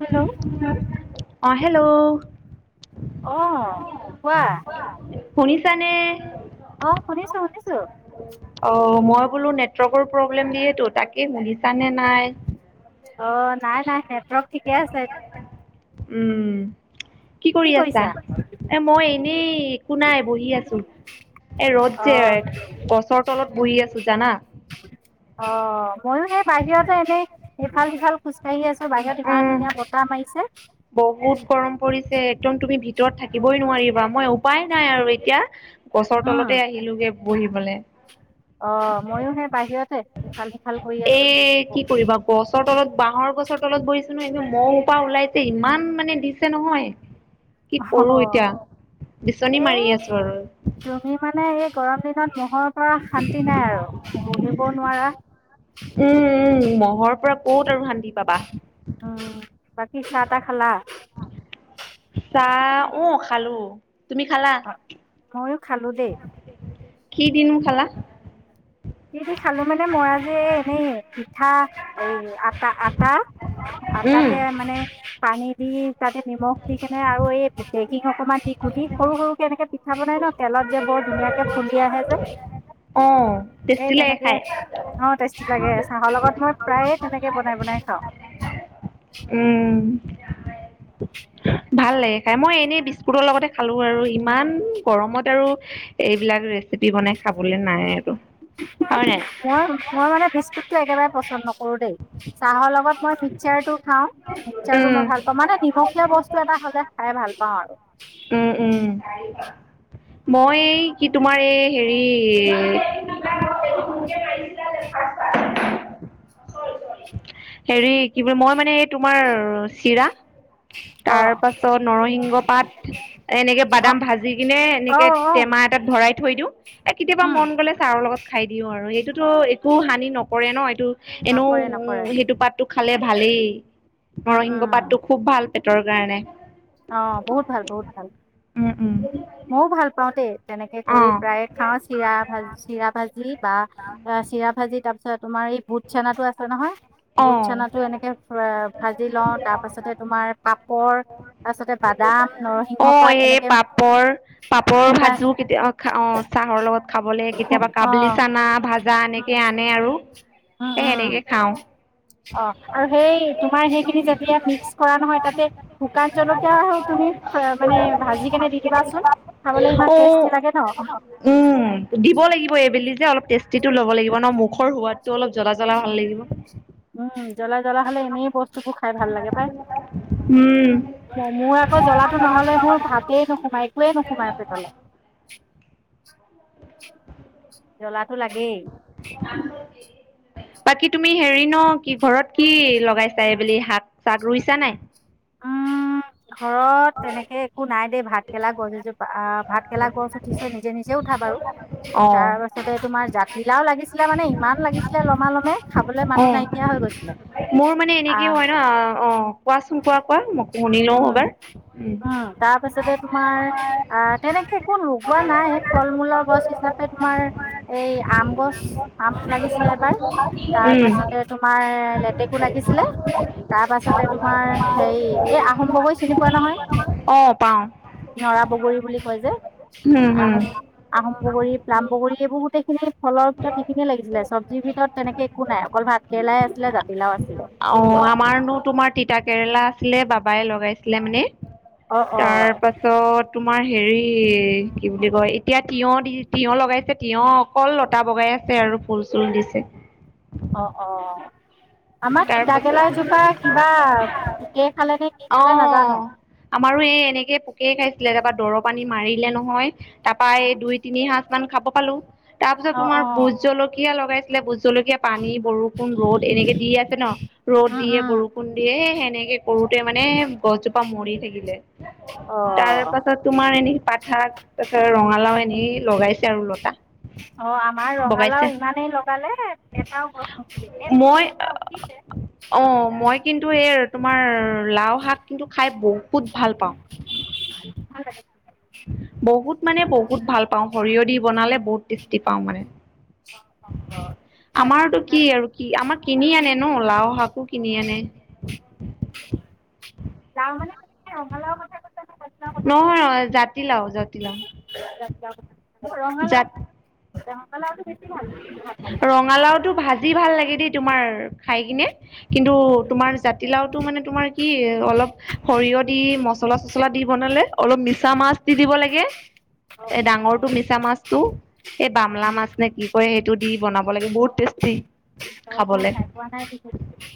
Hello অ' hello. অ' কোৱা। শুনিছানে। অ', শুনিছোঁ- শুনিছোঁ। অঁ মই বোলো নেটৱৰ্কৰ প্ৰব্লেম দিয়েতো তাকেই শুনিছানে নাই? অ নাই নাই নাই নেটৱৰ্ক ঠিকে আছে। উম কি কৰি আছা? এ মই এনেই একো নাই বহি আছো। এ ৰ'দ অ যে গছৰ তলত বহি আছোঁ জানা। অ মইয়ো সেই বাহিৰতে এনেই ইফাল সিফাল খোজকাঢ়ি আছোঁ। বাহিৰত ইমান উম ধুনীয়া বতাহ মাৰিছে। বহুত গৰম পৰিছে একদম তুমি ভিতৰত থাকিবই নোৱাৰিবা মই উপায় নাই আৰু এতিয়া গছৰ উম তলতে আহিলোগে। বহিবলে। অ মইও সে। এ অ কি কৰিবা গছৰ তলত বাঁহৰ গছৰ। তলত বহিছোঁ নহয় এ মহ সোপা ওলাইছে ইমান মানে দিছে নহয়। কি কৰোঁ এতিয়া বিচনী এ মাৰি আছোঁ আৰু। তুমি মানে এই গৰম দিনত মহৰ পৰা শান্তি নাই আৰু বহিব নোৱাৰা। উম উম মহৰ পৰা ক'ত আৰু শান্তি পাবা? বাকি চাহ-তাহ খালা? চাহ ও খালোঁ। তুমি খালা। খালোঁ দে। কি দিনো খালা খালোঁ মানে মই আজি এনেই পিঠা এই আটা আটা। উম আটাতে মানে পানী দি তাতে নিমখ দি কেনে আৰু এই। পেকিং অকনমান দি [unintelligible] সৰু সৰুকে এনেকে পিঠা বনাই নহ তেলত যে বৰ ধুনীয়াকে। উফন্দি আহে অ যে। টেষ্টি লাগে তেনেকে খাই অ টেষ্টি লাগে চাহৰ লগত মই প্ৰায়ে তেনেকে বনাই বনাই খাওঁ। উম। ভাল লাগে খাই মই এনেই বিস্কুটৰ লগতে খালোঁ আৰু ইমান গৰমত আৰু এইবিলাক। ৰেচিপি বনাই খাবলৈ নাই আৰু। হয় নাই মই মই মানে বিস্কুটটো একেবাৰে পচন্দ নকৰোঁ দেই। চাহৰ লগত মই মিক্সাৰ টো। খাওঁ, মিক্সাৰটো উম মই ভাল পাওঁ মানে নিমখীয়া বস্তু এটা হ'লে খাই ভাল পাওঁ আৰু। উম উম। মই এই কি তোমাৰ এই হেৰি। [unintelligible] [inaudible] হেৰি কি বুলি মই মানে এই তোমাৰ চিৰা। অ তাৰ পাছত নৰসিংহ পাত এনেকে অ বাদাম ভাজি কিনে অ এনেকে অ টেমা এটাত ভৰাই। থৈ দিওঁ, এ কেতিয়াবা উম মন গ'লে চাহৰ লগত খাই দিওঁ আৰু এইটোতো একো হানি নকৰে নহ এইটো। নকৰে নকৰে। টো খালে ভালেই উম, নৰসিংহ পাতটো উম, খুব ভাল পেটৰ কাৰণে। অ বহুত ভাল বহুত ভাল উম উম। মইও ভাল পাওঁ দেই। তেনেকে অ কৰি প্ৰায়ে খাওঁ চিৰা ভাজ চিৰা ভাজি বা অ চিৰা ভাজি তাৰ পিছত। তোমাৰ এই বুট চানাটো আছে নহয়। অ বুট চানাটো এনেকে ভাজি লওঁ তাৰ পাছতে তোমাৰ পাপ। ৰ তাৰপিছতে বাদাম অ নৰসিংহ পাত এই এনেকে। পাপৰ পাপৰ শুকাই ভাজো কেতিয়া অ চাহৰ লগত খাবলে কেতিয়াবা কাবলি অ', চানা ভাজ। যা এনেকে আনে আৰু উম, সেই সেনেকে উম, খাওঁ। অ আৰু সেই তোমাৰ সেইখিনি যেতিয়া মিক্স কৰা নহয় তাতে। শুকান জলকীয়া আৰু তুমি মানে ভাজি কেনে দি দিবাচোন খাবলৈ ইমান অ', টেষ্টি লাগে নহ। উম দিব লাগিব এইবেলি। অলপ টেষ্টিটো লব লাগিব ন মুখৰ সোৱাদটো অলপ জ্বলা জ্বলা ভাল লাগিব। উম জ্বলা জ্বলা হ'লে এনেই বস্তুবোৰ খাই ভাল লাগে পাই। উম, মোৰ আকৌ জ্বলাটো নহ'লে মোৰ ভাতেই নোসোমাই একোৱেই নোসোমাই পেটলে। জ্বলাটো লাগেই। বাকী তুমি হেৰি নহ কি ঘৰত কি লগাইছা এইবেলি শাক চাক ৰুইছা নাই। উম। ঘৰত তেনেকে একো নাই দেই ভাতকেৰেলা গছ এজোপা আহ ভাতকেৰেলা গছ উঠিছে নিজে নিজেই। কথা বাৰু তাৰ অ'। পাছতে তোমাৰ জাতিলাওঁ লাগিছিলে মানে ইমান লাগিছিলে লমা লমে অ মোৰ মানে এনেকে আহ হয় নহয় অ কোৱাচোন কোৱা কোৱা মোক। উম উম উম, তাৰপিছতে তোমাৰ আহ তেনেকে কোন ৰ। ৰোৱা নাই ফল-মূলৰ গছ হিচাপে তোমাৰ এই আম গছ। আম লাগিছিলে এবাৰ তাৰপাছতে তোমাৰ লেটেকো লাগিছিলে। তাৰ পাছতে তোমাৰ হেৰি। এই আহোম বগৰী চিনি পোৱা অঁ পাওঁ। নহয় নৰা বগৰী বুলি কয় যে। উম হুম, আহোম আহোম বগৰী পলাম বগৰী এইবোৰ গোটেইখিনি ফলৰ ভিতৰত সেইখিনিয় লাগিছিলে চবজি ভিতৰত তেনেকে একো নাই অকল ভাতকেৰেলা, লাই আছিলে জাতিলাও আছিলে। অ আমাৰনো তোমাৰ তিতা কেৰেলা আছিলে বাবাই লগাইছিলে মানে। অ অ তাৰ পাছত তোমাৰ হেৰি কি বুলি কয়, এতিয়া তিয়হ দি তিঁয়হ লগাইছে তিয়হ অকল লতা বগাই আছে আৰু ফুল চুল দিছে। অ অ, আমাৰ তাৰ তিতাকেলা পাছত জোপা কিবা পুকেই খালে নে কি খালে নাজানো। অ', আমাৰো এই এনেকে পোকে খাইছিলে তাপা দৰৱ। পানী মাৰিলে নহয় তাৰ পা এই দুই তিনি সাজ মান খাব পালো। তাৰপিছত অ তোমাৰ অ ভোজ জলকীয়া লগাইছিলে ভোজ জলকীয়া পানী বৰষুণ ৰ'দ এনেকে দি আছিল, ন ৰ'দ উম দিয়ে উম বৰষুণ দিয়ে সে সেনেকে। সৰুতে মানে গছজোপা মৰি থাকিলে। অ তাৰ পাছত তোমাৰ এনে পাত শাক তাৰ পাছত ৰঙালাও এনে লগাইছে আৰু লতা, অ আমাৰ বগাইছে ৰঙালাও ইমানেই লগালে এটাও গছ নুঠি মই এবেলি এটা উঠ অ মই কিন্তু এই তোমাৰ। লাও শাক কিন্তু খাই বহুত ভাল পাওঁ ভাল লাগে বহুত মানে বহুত ভাল পাওঁ সৰিয়হ দি বনালে বহুত টেষ্টি পাওঁ মানে আমাৰটো কি আৰু কি আমাৰ কিনি আনে ন লাও শাকো কিনি আনে লাও মানে ৰঙালাও কথা কৈছা নে জাতিলাও কথা কৈছা নহয় জাতি লাও জাতি লাও ৰঙালাও ৰঙালাও ৰঙালাওটো ভাজি ভাল লাগে দেই তোমাৰ খাই কিনে কিন্তু তোমাৰ জাতিলাওত টো মানে তোমাৰ কি অলপ সৰিয়হ দি মচলা চচলা দি বনালে অলপ মিছা মাছ দি দিব লাগে অ' এ ডাঙৰটো মিছা মাছটো সেই বামলা মাছ নে কি কয় সেই বনাব লাগে বহুত টেষ্টি অ' মই খাবলে খাই পোৱা নাই বিশেষকৈ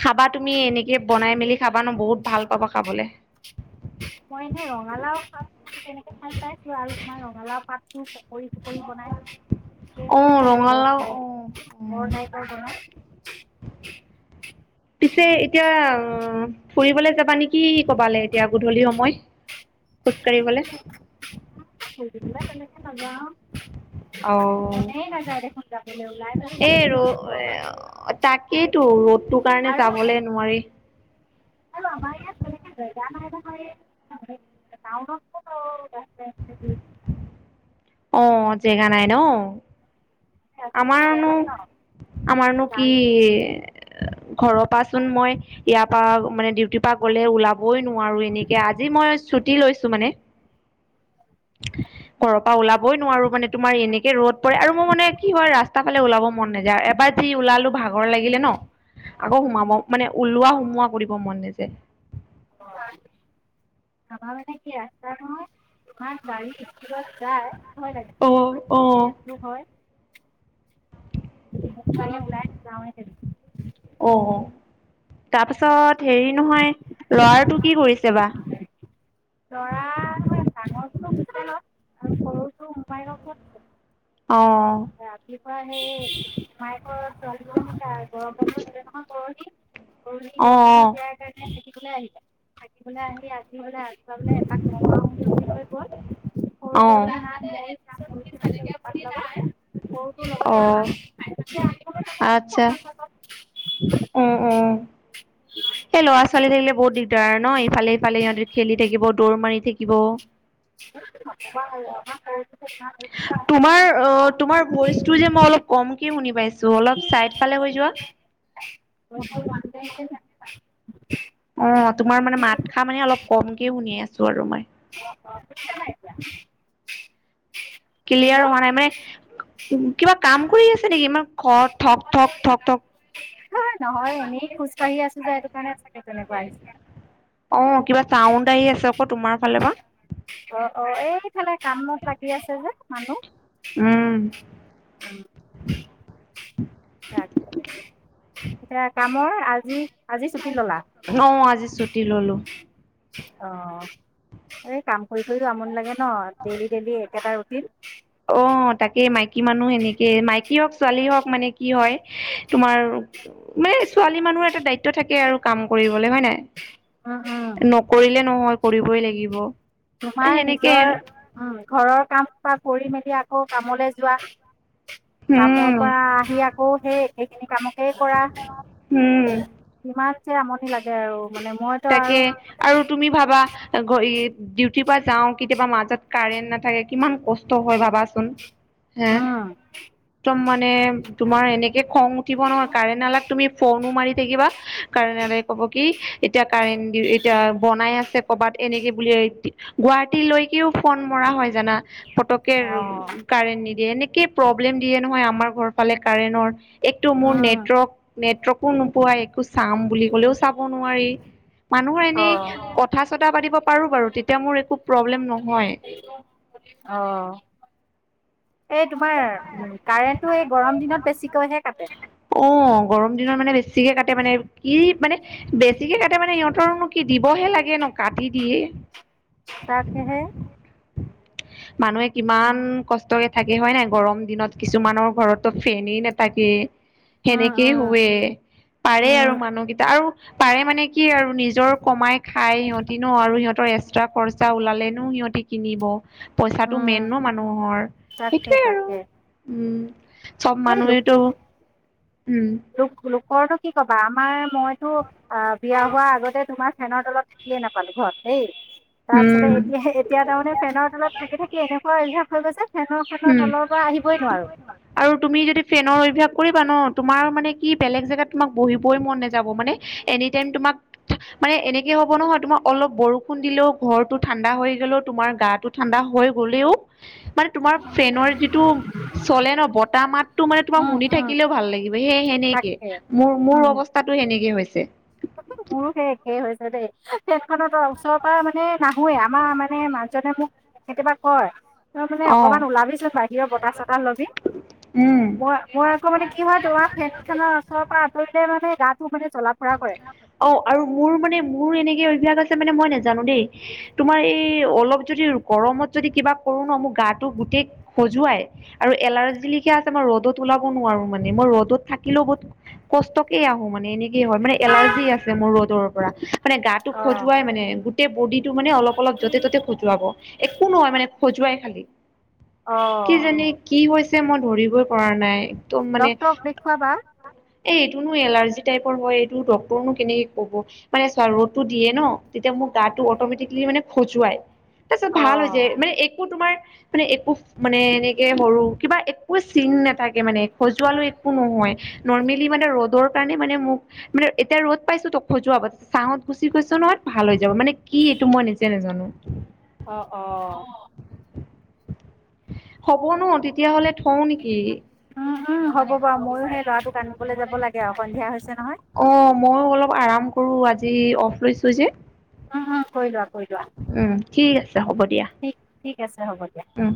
খাবা তু তুমি এনেকে বনাই মেলি খাবা ন বহুত ভাল পাবা খাবলৈ মই এনেই ৰঙালাও পাত তেনেকে খাই পাইছো আৰু তোমাৰ ৰঙালাও পাত পৰি পকৰি বনাই অ খাইছ ন ৰঙালাও অ অ ক খাই ক ত [inaudible] পিছে এতিয়া ফুৰিবলৈ যাবা নেকি কবালে এতিয়া গধূলি সময় খোজকাঢ়িবলে তেনেকে নাযাওঁ মনেই নাযায় দেখোন যা এ ৰ তাকেইতো ৰ'দটোৰ কাৰণে আৰু যাবলে নোৱাৰি আৰু আমাৰ ইয়াত তেনেকৈ জেগা নাই [unintelligible] অ জেগা নাই ন? আছে বেয়া আমাৰনো লাগে ন আৰু আমাৰনো কি? গাড়ী ঘৰৰ পৰা চোন মই ইয়াৰ পৰাা মানে ডউটিৰ পৰা গ'লে ওলাব বৈ নোৱাৰোঁ এনেকে, আজি মই চুটি লৈছো মানে। ঘৰ পৰা ওলাবই নোৱাৰো মানে তোমাৰ এনেকে ৰদ পৰে আৰু মোৰ মানে কি হয় ৰাস্তা ফালে ওলাব মন নাযায়, এবাৰ যি ওলালো ভাগৰ লাগিলে ন আকৌ সোমাব মানে ওলোৱা সোমোৱা কৰিব মন নযায়। উম আমাৰ মানে কি, ৰাস্তা নহয়, ইমান গাড়ী স্পীডত যায়। ভয় লাগে, অ ইমান অ এক্সিডেণ্টবোৰ হয়। ৰাস্তালে ওলাই নাযাওঁৱেই [unintelligible] তাৰপিছত হেৰি নহয়, ল'ৰাটো কি কৰিছে বা? ল'ৰা মানে ডাঙৰটোতো হোষ্টেলত, আৰু সৰুটো মোমায়েকৰ ঘৰত আছে। অ ৰাতিপুৱা সেই মোমায়েক কৰ ছোৱালি দুজনী গৰম বন্ধ দিলে নহয় পৰহি, পৰহি গৰম বন্ধ দিয়াৰ অ কাৰণে সিহঁতি লে আহিলে, থাকিবলৈ আহি আজি বোলে আজ তাৰ পৰা এপাক ঘৰৰ পৰা আহোগে বুলি অ কৈ অ গ'ল, সৰুটোৱে গৈ পিনি হাত ভৰি [unintelligible] সৰুটোও অ লগতে গ'ল, এতিয়া আনিবলে যাব লাগিব আৰু আচ্ছা অকণমান পিছত। এ ল'ৰা ছোৱালী থাকিলে বহুত দিগদাৰ ন, ইফালে সিফালে সিহঁতে খেলি থাকিব, দৌৰ মাৰি থাক কিব [unintelligible] উৎপাত তোমাৰ অ', তোমাৰ ভইচটো যে মই অলপ কমকে শুনি পাইছো, অলপ চাইড ফালে হৈ যোৱা। [unintelligible] অ', তোমাৰ মানে মাতসাৰ মানে অলপ কমকে শুনি আছো আৰু মই। অ' অ', [inaudible] ক্লিয়াৰ হোৱা নাই মানে কিবা কাম কৰি আছে নেকি, ইমান খত ঠক ঠক ঠক ঠক এ নহয় এনেই খোজ কঢ়ি আছো যে এইটো কাৰণে চাগে তেনেকুৱা আহিছে। অ', কিবা চাউণ্ড আহি আছে আকৌ তোমাৰ ফালৰ পৰা। অ', অ', এইফালে কামত লাগি আছে যে, মানুহ। উম। তাকে, সেইয়া কামৰ আজি-আজি অ', আজি ছুটি ল'লো। অ', এই কাম কৰি কৰিতো আমনি লাগে ন, ডেইলি ডেইলি একেটা ৰুটিন। অ', তাকে মাইকী মানুহ এনেকেই, মাইকী হওঁক ছোৱালী হওঁক মানে কি হয় তোমাৰ মানে ছোৱালী মানুহৰ এটা দায়িত্ব থাকে আৰু কাম কৰিবলৈ, হয় নাই? উম, উম। নকৰিলে নহয়, কৰিবই লাগিব। তোমাৰ সেনেকে নিজৰ উম, ঘৰৰ কাম সোপা কৰি মেলি আক কৌ কামলে যোৱা, কামৰ উম পৰা আহি আকৌ সেই একেখিনি কামক কেই কৰা, উম কিমান যে আমনি লাগে আৰু। মানে মইতো আৰু তাকে আৰু তুমি ভাবা ডিউটিৰ পৰা যাওঁ, কেতিয়াবা মাজত কাৰেণ্ট নাথাকে, কিমান কষ্ট হয় ভাবাচোন। হে উম একদম মানে তোমাৰ এনেকে খং উঠিব নহয়, কাৰেণ্ট আলাক তুমি ফ'নো মাৰি থাকিবা কাৰেণঅলাই ক'ব কি এতিয়া কাৰেণ্ট দিও-এতিয়া বনাই আছে ক'ৰবাত এনেকে বুলি, গুৱাহাটীলৈকেও ফোন মৰ কৰা হয় জানা? ফতককে অ', কাৰেণ্ট নিদিয়ে, এনেকেই প্ৰব্লেম দিয়ে নহয় আমাৰ ঘৰৰ ফালে কাৰেণৰ। এইটো মোৰ উম নেটৱৰ্ক-নেটৱৰ্কো নোপোৱা, একো চাম বুলি ক'লেও চাব নোৱাৰি মানুহৰ এনেই অ', কথা চতা পাতিব পাৰো বাৰু, তেতিয়া মোৰ একো প্ৰব্লেম নহয়। অ'। এই তোমাৰ কাৰেণ্টটো এই গৰম দিনত বেছিকৈহে কাটে [inaudible] অ' অ', গৰম দিনত মানে বেছি কাট মানে কি মানে বেছিকে কাটে মানে সিহতৰনো কি দিবহে লাগে ন কাটি দিয়ে। তাকহে মানুহে কিমান কষ্টকে থাকে হয় নাই গৰম দিনত কিছুমানৰ ঘৰতো ফেনেই নাথাকি। উম সেনেকেই উম শৱে পাৰে আৰু উম মানুহকেইটা আৰু পাৰে মানে কি আৰু নিজৰ কমাই খাই সিহতিনো আৰু সিহতৰ এক্সট্ৰা খৰ্চা ওলালেনো সি সিহতি কিনিব পইচাটো মেন উম ন মানুহৰ তাকে সেইটোয়ে আৰু তাকে উম। চব মানুহেটো দুখ ঘৰতটো কি ক'বা আমাৰ মইতো অ, বিয়া হোৱা আগতে তোমাৰ ফেনৰ তলত থাকিয়ে নাপালো ঘৰত। দেই তাৰপিছতে উম এতিয়া এতিয়া তাৰমানে ফেনৰ তলত থাকি - থাকি এনেকুৱা অলভাৱ হৈ গৈছে। ফেনৰ খনৰ উম তলৰ পৰা আহিবই নোৱাৰো আৰু তুমি যদি ফেনৰ অভ্যয়াস কৰিবা ন। তোমাৰ মানে কি বেলেগ জেগাত তোমাক বহিবই মন নাযাব মানে এনি টাইম তোমাক মানে এনেকে। হ'ব নহয় তোমাৰ অলপ বৰষুণ দিলেও ঘৰটো ঠাণ্ডা হৈ গ'লেও তোমাৰ গাটো ঠাণ্ডা হৈ গ'লেও। মানে তোমাৰ ফেনৰ যিটো চলে ন বতাহ মাতটো মানে তোমাক উম শুনি উম থাকিলেও ভাল লাগিব সেইেনেকে। তাকে মোৰ - মোৰ উম অৱস্থাতটো সেনেকে হৈছে। [inaudible] পুৰুষে একেই হৈছে দেই তেতখনত ওচৰৰ পৰা মানে নাহৱে আমাৰ মানে মানজনে মোক কেতিয়াবা কয় তই মানে অ অকমান ওলাবিছিল বাহিৰৰ বতাহ চতাহ ল'বি। উম মই - মই আকৌ মানে কি হয় তোমাৰ ফেট খেলা ওচৰত পৰা আতৰিলে মানে গা টো মানে জলাুৰা কৰে। অ, আৰু মোৰ মানে মোৰ এনেকে অভাস আছে মানে মই নাজানো দেই তোমাৰ এই অলপ য গৰমত যদি কিবা কৰো ন মোক গাটো গোটেই সজুৱাই আৰু এলাৰ্জ লকে আ মই ৰ'দত ওলাব নোৱাৰো মানে মই ৰ'দত থাকিলেও বহুত কষ্টকে আহো মানে এনে এলাৰ্জি আছে মোৰ ৰ'দৰ পৰা মানে গাটো খজুৱাই মানে গোটেই বডিত। টো মানে অলপ - অলপ য'তে ত'তে খজুৱাব একো নহয় মানে খজুৱাই খালি। অ কি জানি কি হৈছে মই ধৰিবই পৰা নাই। একদম মানে ডকটৰক দেখুৱাবা। এইটোনো এলাৰ্জি টাইপৰ হয়। ডটৰনো কেনেকে ক'ব মানে ৰ'দটো দিয়ে ন তেতিয়া মোক গাটো অটমেটিকেলি মানে খজুৱাই তাৰপিছত অ ভাল হৈ হৈছে মানে একো তোমাৰ মানে একো মানে এনেকে সৰু কিবা একো চিন নাথাকে মানে সজোৱালো একো নহয়। নৰ্মেলি মানে ৰ'দৰ কাৰণে মানে মোক মানে এতিয়া ৰ'দ পাইছো তো খজুৱ চাঙত গুচি গৈছ নহয় ভাল হৈ যাব মানে কি এইটো মই নিজে নাজানো। জানো অ - অ। হব ন তেতিয়াাহলে থও নেকি। উম উম, হ'ব বাৰু ময়ো সেই ল'ৰাটোক আনিবলৈ যাব লাগে আৰু সন্ধিয়া হৈছে নহয়। কৰৰু আজি অফ লৈছো যে। উম, হম কৰিলোৱা - কৰিলোৱা। উম ঠিক আছে হ'ব দিয়া। ঠিক আছে হ'ব দিয়া। উম